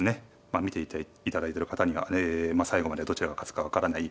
まあ見ていただいてる方には最後までどちらが勝つか分からない